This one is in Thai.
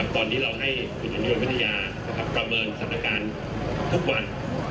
ตอนนี้เราให้ประเมินสถานการณ์ทุกวัน